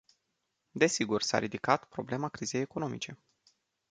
Desigur, s-a ridicat problema crizei economice.